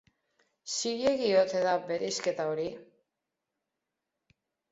Zilegi ote da bereizketa hori?